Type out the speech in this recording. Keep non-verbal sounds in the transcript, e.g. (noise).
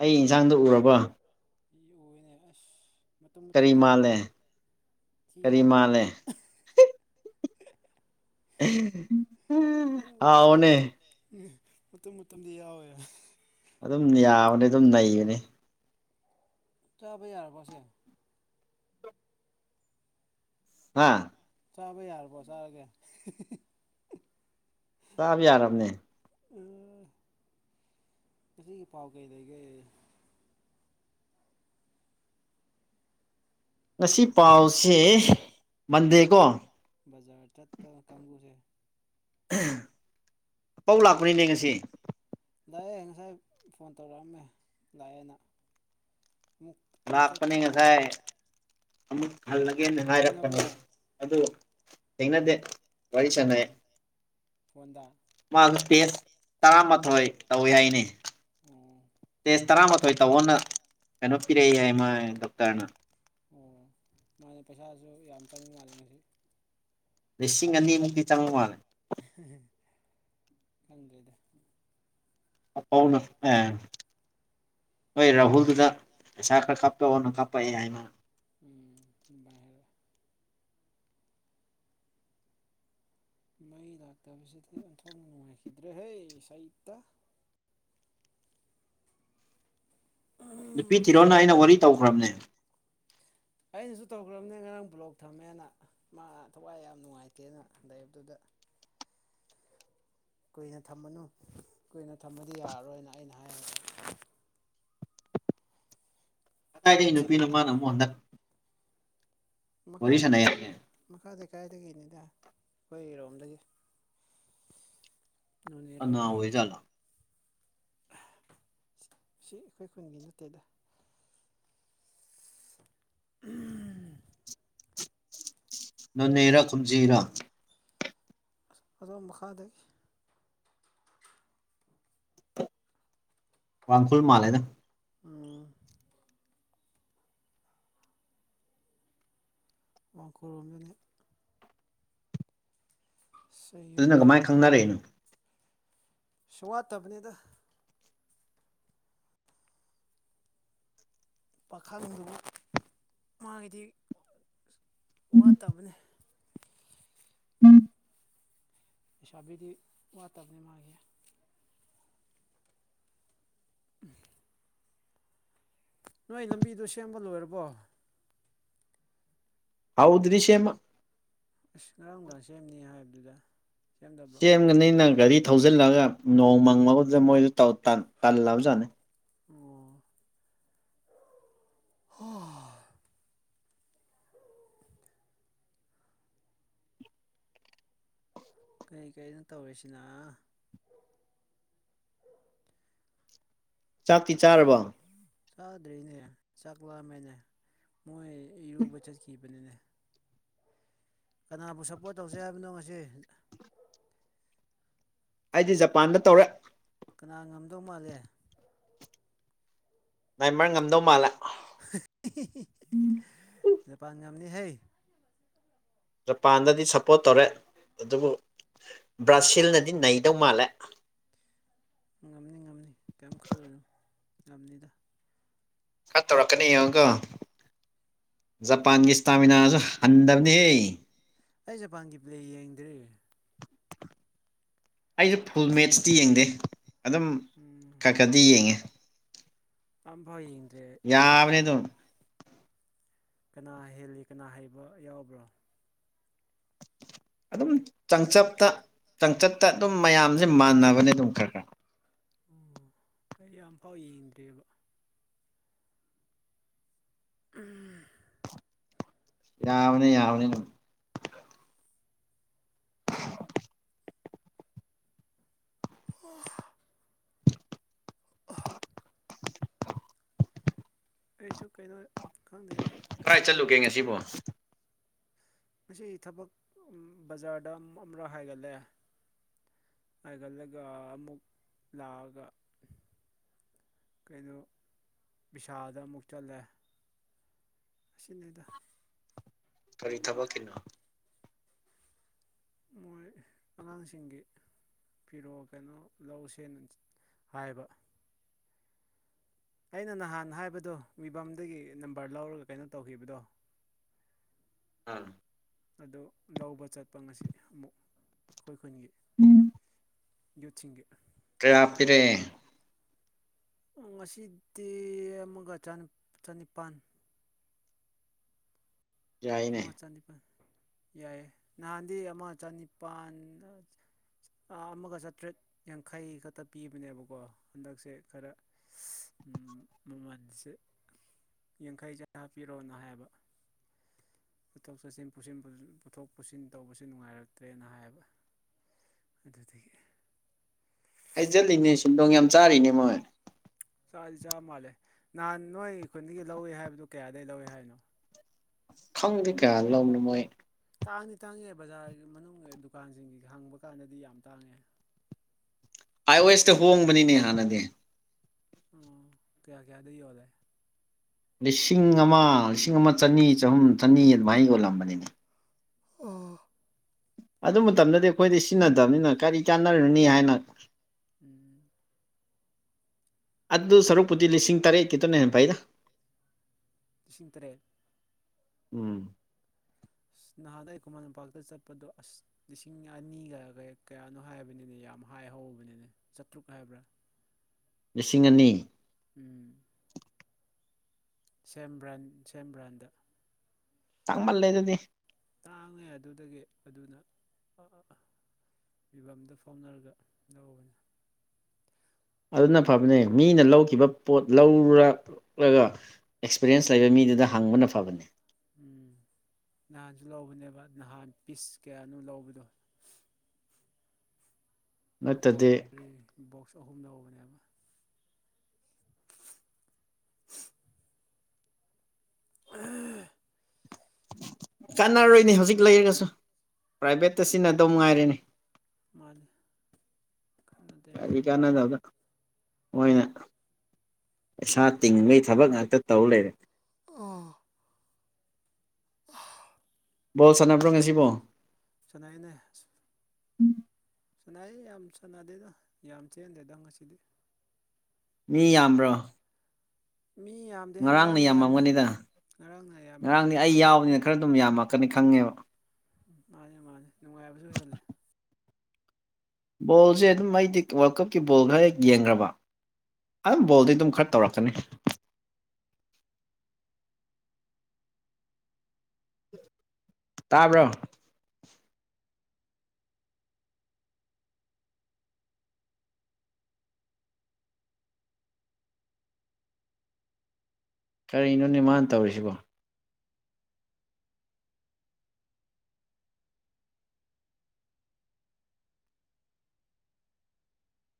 ꯑꯩ ꯏꯟꯁꯥꯡꯗꯣ ꯎꯔꯕꯣ ꯎꯌꯦꯅꯦ ꯑꯁ ꯃꯇꯨꯝ ꯃꯇꯨꯝ ꯀꯔꯤ ꯃꯥꯜꯂꯦ ꯌꯥꯎꯏꯅꯦ ꯊꯤ ꯃꯥꯜꯂꯦ ꯍꯥꯎꯕꯅꯦ ꯃꯇꯨꯝ ꯃꯇꯨꯝꯗꯤ ꯌꯥꯎꯋꯦ ꯑꯗꯨꯝ ꯌꯥꯕꯅꯤ ꯑꯗꯨꯝ ꯅꯩꯕꯅꯤ ꯆꯥꯕ ꯌꯥꯔꯕꯣ ꯑꯁꯤ ꯍꯥ ꯆꯥꯕ ꯌꯥꯔꯕ꯭ꯔꯣ ꯆꯥꯔꯒꯦ ꯆꯥꯕ ꯌꯥꯔꯕꯅꯦ ꯎꯝ ꯉꯁꯤ ꯄꯥꯎ ꯀꯩ ꯂꯩꯒꯦ ꯉꯁꯤ ꯄꯥꯎꯁꯦ ꯃꯟꯗꯦꯀꯣ ꯕꯖꯥꯔ ꯆꯠꯄ ꯀꯥꯡꯕꯨꯁꯦ ꯑꯄꯧ ꯂꯥꯛꯄꯩꯅꯦ ꯉꯁꯤ ꯂꯥꯛꯑꯦ ꯉꯁꯥꯏ ꯐꯣꯟ ꯇꯧꯔꯛꯑꯝꯃꯦ ꯂꯥꯛꯑꯦꯅ ꯑꯃꯨꯛ ꯑꯃꯨꯛ ꯂꯥꯛꯄꯅꯦ ꯆꯠꯈ꯭ꯔ ꯃꯥꯜꯂꯦ ꯉꯁꯥꯏ ꯑꯃꯨꯛ ꯍꯜꯂꯒꯦꯅ ꯉꯥꯏꯔꯛꯄꯅꯤ ꯊꯦꯡꯅꯕ꯭ꯔꯣ ꯑꯗꯨ ꯊꯦꯡꯅꯗꯦ ꯋꯥꯔꯤ ꯁꯥꯟꯅꯩ ꯎꯝ ꯐꯣꯟꯗ ꯃꯥꯗꯣ ꯇꯦꯁ ꯇꯥꯔꯥꯃ ꯊꯣꯏ ꯇꯧꯋꯦ ꯍꯥꯏꯅꯦ ꯑꯣ ꯇꯦꯁ ꯇꯔꯥꯃꯥꯊꯣꯏ ꯇꯧꯋꯣꯅ ꯀꯩꯅꯣ ꯄꯤꯔꯛꯏ ꯍꯥꯏ ꯃ ꯗꯣꯛꯇꯔꯅ ꯑꯣ ꯃꯥꯗꯣ ꯄꯩꯁꯥꯁꯨ ꯌꯥꯝ ꯆꯪꯕ ꯃꯥꯜꯂꯦ ꯉꯁꯤ ꯂꯤꯁꯤꯡ ꯑꯅꯤꯃꯨꯛꯇꯤ ꯆꯪꯕ ꯃꯥꯜꯂꯦ ꯈꯪꯗ꯭ꯔꯦꯗ ꯑꯐꯥꯎꯅ (unintelligible) ꯍꯣꯏ ꯔꯥꯍꯨꯜꯗꯨꯗ ꯄꯩꯁꯥ ꯈꯥꯔ ꯀꯥꯞꯄꯛꯑꯣꯅ ꯀꯥꯄꯛꯑꯦ ꯍꯥꯏ ꯃꯥꯅ ꯎꯝ (unintelligible) ꯃꯩ ꯂꯥꯛꯇꯕꯁꯤꯗꯤ ꯑꯣꯟꯊꯣꯛꯅ ꯅꯨꯡꯉꯥꯏꯈꯤꯗ꯭ꯔꯦꯍꯦ ꯁꯩꯇ ꯅꯨꯄꯤ ꯊꯤꯔꯣꯅ ꯑꯩꯅ ꯋꯥꯔꯤ ꯇꯧꯈ꯭ꯔꯕꯅꯦ ꯑꯩꯅꯁꯨ ꯇꯧꯈ꯭ꯔꯕꯅꯦ ꯉꯔꯥꯡ ꯕ꯭ꯂꯣꯛ ꯊꯝꯃꯦꯅ ꯃꯥ ꯊꯋꯥꯏ ꯌꯥꯝ ꯅꯨꯡꯉꯥꯏꯇꯦꯅ ꯂꯩꯕꯗꯨꯗ (inaudible) ꯀꯨꯏꯅ ꯊꯝꯃꯅꯨ ꯀꯨꯏꯅ ꯊꯝꯃꯗꯤ ꯌꯥꯔꯔꯣꯏꯅ ꯑꯩꯅ ꯍꯥꯏꯒ꯭ꯔꯕꯅꯦ ꯅꯨꯄꯤ ꯀꯗꯥꯥꯏꯗꯒꯤ ꯅꯨꯄꯤꯅꯣ ꯊꯤꯅꯕꯗꯣ ꯃꯥꯅ ꯑꯃꯨꯛ ꯍꯟꯗꯛ ꯃꯈꯥ ꯋꯥꯔꯤ ꯁꯥꯟꯅꯩ ꯍꯥꯏꯅꯦ ꯂꯩꯀꯥꯏꯗꯩ ꯃꯈꯥꯗꯩ ꯂꯩꯀꯥꯏꯗꯒꯤꯅꯤꯗ ꯑꯩꯈꯣꯏꯔꯣꯝꯗꯒꯤ ꯀꯅꯥ ꯅꯣꯅꯦꯔꯣꯝꯗꯒꯤ ꯑꯣꯏꯖꯥꯠꯂꯣ ꯑꯍꯥ ꯁꯤ ꯁꯤ ꯑꯩꯈꯣꯏ ꯈꯨꯟꯒꯤ ꯅꯠꯇꯦꯗ ꯎꯝ ꯅꯣꯅꯦꯔꯥ ꯈꯨꯝꯖꯤꯔꯥ ꯑꯗꯣ ꯃꯈꯥꯗ ꯋꯥꯡꯈꯨꯜ ꯃꯥꯂꯦꯗ ꯎꯝ ꯃꯥꯈꯨꯔꯣꯝꯗꯅꯤ ꯑꯁ ꯑꯩ ꯑꯗꯨꯅ ꯌꯨꯝꯁꯦ ꯀꯃꯥꯏꯅ ꯈꯪꯅꯔꯛꯏꯅꯣ ꯁꯨꯋꯥꯠꯇꯕꯅꯤꯗ ꯄꯥꯈꯪꯗꯨꯕꯨ ꯃꯥꯒꯤꯗꯤ ꯋꯥꯠꯇꯕꯅꯤ ꯎꯝ ꯂꯩꯁꯥꯕꯤꯗꯤ ꯋꯥꯠꯇꯕꯅꯦ ꯃꯥꯒꯤ ꯅꯣꯏ ꯂꯝꯕꯤꯗꯣ ꯁꯦꯝꯕ ꯂꯣꯏꯔꯕꯣ ꯍꯥꯎꯗ꯭ꯔꯤ ꯁꯦꯝꯕ ꯑꯁ ꯉꯔꯥꯡ ꯅꯨꯡꯗꯥꯡ ꯁꯦꯝꯅꯤ ꯍꯥꯏꯕꯗꯨꯗ ꯁꯦꯝꯗꯕ꯭ꯔꯣ ꯁꯦꯝꯒꯅꯤ ꯅꯪ ꯒꯥꯔꯤ ꯊꯧꯖꯤꯜꯂꯒ ꯅꯣꯡ ꯃꯪꯕꯗꯨꯗ ꯃꯣꯏꯗꯣ ꯇꯧꯇꯜ ꯇꯜꯂꯕꯖꯥꯠꯅꯦ ꯑꯣ ꯍꯣ ꯀꯔꯤ ꯀꯔꯤꯅꯣ ꯇꯧꯔꯤꯁꯤꯅ ꯆꯥꯛꯇꯤ ꯆꯥꯔꯕꯣ ꯆꯥꯗ꯭ꯔꯤꯅꯦ ꯆꯥꯛꯂꯥꯝꯃꯦꯅꯦ ꯃꯣꯏ ꯏꯔꯨꯕ ꯆꯠꯈꯤꯕꯅꯤꯅꯦ ꯀꯅꯥꯕꯨ ꯁꯄꯣꯔꯠ ꯇꯧꯁꯦ ꯍꯥꯏꯕꯅꯣ ꯉꯁꯤ ꯑꯩꯗꯤ ꯖꯄꯥꯟꯗ ꯇꯧꯔꯦ ꯀꯅꯥ ꯉꯝꯗꯧ ꯃꯥꯜꯂꯦ ꯅꯦꯃꯥꯔ ꯉꯝꯗꯧ ꯃꯥꯜꯂꯦ ꯖꯄꯥꯟ ꯉꯝꯅꯤ ꯍꯦ ꯖꯄꯥꯟꯗꯗꯤ ꯁꯄꯣꯔꯠ ꯇꯧꯔꯦ ꯑꯗꯨꯕꯨ ꯕ꯭ꯔꯥꯁꯤꯜꯅꯗꯤ ꯅꯩꯗꯧ ꯃꯥꯜꯂꯦ ꯉꯝꯅꯤ ꯉꯝꯅꯤ ꯀꯩꯌꯝ ꯈꯜꯂꯨꯅꯣ ꯉꯝꯅꯤꯗ ꯈꯔ ꯇꯧꯔꯛꯀꯅꯤ ꯌꯦꯡꯉꯣꯀꯣ ꯖꯄꯥꯟꯒꯤ ꯏꯁꯇꯥꯃꯤꯅꯥꯖꯨ ꯍꯟꯗꯕꯅꯤꯍꯦ ꯑꯩ ꯖꯄꯥꯟꯒꯤ ꯄ꯭ꯂꯦ ꯌꯦꯡꯗ꯭ꯔꯤ ꯑꯩꯩꯖꯨ ꯐꯨꯜ ꯃꯦꯠꯁꯇꯤ ꯌꯦꯡꯗꯦ ꯑꯗꯨꯝ ꯎꯝ ꯈ ꯈꯗꯤ ꯌꯦꯡꯉꯦ ꯑꯝꯐꯧ ꯌꯦꯡ ꯌꯥꯕꯅꯦ ꯑꯗꯨꯝ ꯀꯅꯥ ꯍꯦꯜꯂꯤ ꯀꯅꯥ ꯍꯩꯕ ꯌꯥꯎꯕ꯭ꯔꯦ (inaudible) ꯑꯗꯨꯝ ꯆꯥꯡꯆꯞꯇ ꯆꯥꯡꯆꯠꯇ ꯑꯗꯨꯝ ꯃꯌꯥꯝꯁꯦ ꯃꯥꯟꯅꯕꯅꯦ ꯑꯗꯨꯝ ꯈꯔ ꯈꯔ ꯎꯝ ꯑꯩ ꯌꯥꯝ ꯄꯥꯛ ꯌꯦꯡꯗꯦꯕ ꯎꯝ ꯌꯥꯕꯅꯦ ꯌꯥꯕꯅꯦ ꯑꯗꯨꯝ (unintelligible) ꯑꯩꯁꯨ ꯀꯩꯩꯅꯣꯢꯠ ꯀꯥꯏ ꯆꯠꯂꯨꯒꯦ ꯉꯁꯤꯕꯣ ꯉꯁꯤ ꯊꯕꯛ ꯕꯖꯥꯔꯗ ꯑꯃꯔꯛ ꯍꯥꯏꯒꯠꯂꯦ ꯍꯥꯏꯒꯜꯂꯒ ꯑꯃꯨꯛ ꯂꯥꯛꯑꯒ ꯀꯩꯅꯣ ꯕꯤꯁꯥꯜꯗ ꯑꯃꯨꯛ ꯆꯠꯂꯦ ꯑꯁꯤꯅꯤꯗ ꯀꯔꯤ ꯊꯕꯛ ꯀꯤꯅꯣ ꯃꯣꯏ (inaudible) ꯑꯉꯥꯡꯁꯤꯡꯒꯤ ꯐꯤꯔꯣꯜ ꯀꯩꯅꯣ ꯂꯧꯁꯦꯅ ꯍꯥꯏꯕ ꯑꯩꯅ ꯅꯍꯥꯟ ꯍꯥꯏꯕꯗꯣ ꯃꯤꯕꯝꯗꯒꯤ ꯅꯝꯕꯔ ꯂꯧꯔꯒ ꯀꯩꯅꯣ ꯇꯧꯈꯤꯕꯗꯣ ꯑꯥ ꯑꯗꯨ ꯂꯧꯕ ꯆꯠꯄ ꯉꯁꯤ ꯑꯃꯨꯛ ꯑꯈꯣꯏ ꯈꯨꯟꯒꯤ ꯎꯝ ꯌꯨꯠꯁꯤꯡꯒꯤ ꯀꯥꯌ ꯄꯤꯔꯦ ꯉꯁꯤꯗꯤ ꯑꯃꯒꯇꯅꯦ ꯆꯥꯅꯤꯄꯥꯜ ꯑꯃ ꯌꯥꯏꯅꯦ ꯆꯅꯤꯄꯥꯜ ꯌꯥꯏꯑꯦ ꯅꯍꯥꯟꯗꯤ ꯑꯃ ꯆꯅꯤꯄꯥꯜ ꯑꯥ ꯑꯃꯒ ꯆꯥꯇ꯭ꯔꯦꯠ ꯌꯥꯡꯈꯩ ꯈꯛꯇ ꯄꯤꯕꯅꯦꯕꯀꯣ ꯍꯟꯗꯛꯁꯦ ꯈꯔ ꯎꯝ ꯃꯃꯟꯁꯦ ꯌꯥꯡꯈꯩꯁꯦ ꯍꯥꯞꯄꯤꯔꯣꯅ ꯍꯥꯏꯕ ꯆꯠꯊꯣꯛ ꯆꯠꯁꯤꯟ ꯄꯨꯊꯣꯛ ꯄꯨꯁꯤꯟ ꯇꯧꯕꯁꯤ ꯅꯨꯡꯉꯥꯏꯔꯛꯇ꯭ꯔꯦꯅ ꯍꯥꯏꯕ ꯑꯗꯨꯗꯨꯒꯤ ꯍꯩꯖꯤꯜꯂꯤꯅꯦ ꯁꯦꯟꯗꯣꯡ ꯌꯥꯝ ꯆꯥꯔꯤꯅꯦ ꯃꯣꯏ ꯆꯥꯗꯤ ꯆꯥ ꯃꯥꯜꯂꯦ ꯅꯍꯥꯟ ꯅꯣꯏ ꯈꯨꯟꯗꯒꯤ ꯂꯧꯏꯑꯦ ꯍꯥꯏꯕꯗꯨ ꯀꯥꯌꯗꯒꯤ ꯂꯧꯏ ꯍꯥꯏꯅꯣ ꯈꯪꯗꯦ ꯀꯥꯌ ꯂꯧꯕꯅꯣ ꯃꯣꯏ ꯇꯥꯡꯗꯤ ꯇꯥꯡꯉꯦ ꯕꯖꯥꯔꯒꯤ ꯃꯅꯨꯡ ꯗꯨꯀꯥꯟꯁꯤꯡꯒꯤ ꯍꯪꯕ ꯀꯥꯟꯗꯗꯤ ꯌꯥꯝ ꯇꯥꯡꯉꯦ ꯑꯥꯏ ꯑꯣ ꯑꯦꯁꯇ ꯍꯣꯡꯕꯅꯤꯅꯦ ꯍꯥꯟꯅꯗꯤ ꯑꯣ ꯀꯌꯥ ꯀꯌꯥꯗ ꯌꯣꯜꯂꯦ ꯂꯤꯁꯤꯡ ꯑꯃ ꯂꯤꯁꯤꯡ ꯑꯃ ꯆꯅꯤ ꯆꯍꯨꯝ ꯆꯅꯤ ꯑꯗꯨꯃꯥꯏꯅ ꯌꯣꯜꯂꯝꯕꯅꯤꯅꯦ ꯎꯝ ꯑꯗꯨ ꯃꯇꯝꯗꯗꯤ ꯑꯈꯣꯏꯗꯤ ꯁꯤꯖꯤꯟꯅꯗꯕꯅꯤꯅ ꯀꯔꯤ ꯀꯥꯟꯅꯔꯨꯅꯤ ꯍꯥꯏꯅ ꯎꯝ ꯑꯗꯨ ꯁꯔꯨꯛꯄꯨꯗꯤ ꯂꯤꯁꯤꯡ ꯇꯔꯦꯠ ꯈꯤꯇꯨꯅ ꯍꯦꯟꯅ ꯐꯩꯗ ꯂꯤꯁꯤꯡ ꯇꯔꯦꯠ ꯎꯝ ꯅꯍꯥꯟ ꯑꯩ ꯈꯨꯃꯟ ꯂꯝꯄꯥꯛꯇ ꯆꯠꯄꯗꯣ ꯑꯁ ꯂꯤꯁꯤꯡ ꯑꯅꯤꯒ ꯀꯌꯥꯅꯣ ꯍꯥꯏꯕꯅꯤꯅꯦ ꯌꯥꯝ ꯍꯥꯏ ꯍꯧ ꯑꯣꯏꯕꯅꯤꯅꯦ ꯆꯥꯇ꯭ꯔꯨꯛ ꯍꯥꯏꯕ꯭ꯔꯥ ꯂꯤꯁꯤꯡ ꯑꯅꯤ ꯎꯝ ꯁꯦꯝ ꯕ꯭ꯔꯥꯟ ꯁꯦꯝ ꯕ꯭ꯔꯥꯟꯗ ꯇꯥꯡ ꯃꯥꯜꯂꯦ ꯗꯨꯗꯤ ꯇꯥꯡꯉꯦ ꯑꯗꯨꯗꯒꯤ ꯑꯗꯨꯅ ꯑꯥ ꯑꯥ ꯐꯤꯕꯝꯗ ꯐꯥꯎꯝꯅꯔꯒ ꯂꯧꯕꯅꯤ ꯑꯗꯨꯅ ꯐꯕꯅꯦ ꯃꯤꯅ ꯂꯧꯈꯤꯕ ꯄꯣꯠ ꯂꯧꯔꯛꯂꯒ ꯑꯦꯛꯁꯄꯤꯔꯌꯦꯟꯁ ꯎꯝ ꯂꯩꯕ ꯃꯤꯗꯨꯗ ꯍꯪꯕꯅ ꯐꯕꯅꯤ ꯎꯝ ꯅꯍꯥꯟꯁꯨ ꯂꯧꯕꯅꯦꯕ ꯅꯍꯥꯟ ꯄꯤꯁ ꯀꯥꯌꯅꯣ ꯂꯧꯕꯗꯣ ꯅꯠꯇꯗꯤ ꯕꯣꯛꯁ ꯕꯣꯛꯁ ꯑꯍꯨꯝ ꯂꯧ (unintelligible) (unintelligible) ꯆꯥꯟꯅꯔꯣꯏꯅꯦ ꯍꯧꯖꯤꯛ ꯂꯩꯔꯒꯁꯨ ꯄ꯭ꯔꯥꯏꯚꯦꯠꯇ ꯁꯤꯖꯤꯟꯅꯗꯧ ꯉꯥꯏꯔꯦꯅꯦ ꯃꯥꯟꯅꯦ ꯀꯟꯅꯗꯦꯗ ꯀꯔꯤ ꯀꯥꯟꯅꯗꯕꯗ ꯃꯣꯏꯅ ꯄꯩꯁꯥ ꯇꯤꯡꯕꯩ ꯊꯕꯛ ꯉꯥꯛꯇ ꯇꯧ ꯂꯩꯔꯦ ꯑꯣ ꯕꯣꯜ ꯁꯥꯟꯅꯕ꯭ꯔꯣ ꯉꯁꯤꯕꯣ ꯁꯟꯅꯩꯅꯦ ꯁꯨ ꯁꯥꯟꯅꯩꯌꯦ ꯌꯥꯝ ꯁꯥꯟꯅꯗꯦꯗ ꯌꯥꯝ ꯆꯦꯟꯗꯦꯗ ꯉꯁꯤꯗꯤ ꯃꯤ ꯌꯥꯝꯕ꯭ꯔꯣ ꯃꯤ ꯌꯥꯝꯗꯦ ꯉꯔꯥꯡꯅ ꯌꯥꯝꯃꯦ ꯉꯔꯥꯡꯅ ꯌꯥꯝꯃꯦ ꯉꯔꯥꯡꯗꯤ ꯑꯩ ꯉꯔꯥꯡ ꯌꯥꯎꯕꯅꯤꯅ ꯈꯔ ꯑꯗꯨꯝ ꯌꯥꯝꯃꯛꯀꯅꯤ ꯈꯪꯉꯦꯕ ꯃꯥꯅꯤ ꯃꯥꯅꯤ ꯅꯨꯡꯉꯥꯏꯕꯁꯨ ꯍꯦꯜꯂꯤ ꯕꯣꯜꯁꯦ ꯑꯗꯨꯝ ꯑꯩꯗꯤ ꯋꯥꯔꯜ ꯀꯞꯀꯤ ꯕꯣꯜ ꯈꯔ ꯍꯦꯛ ꯌꯦꯡꯈ꯭ꯔꯕ ꯑꯝ ꯕꯣꯜꯗꯤ ꯑꯗꯨꯝ ꯈꯔ ꯇꯧꯔꯛꯀꯅꯤ ꯇꯥꯕ꯭ꯔꯣ ꯀꯔꯤꯅꯣꯅꯦ ꯃꯥꯅ ꯇꯧꯔꯤꯁꯤꯕꯣ